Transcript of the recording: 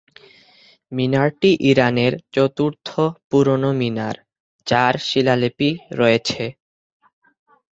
মিনারটি ইরানের চতুর্থ পুরনো মিনার, যার শিলালিপি রয়েছে।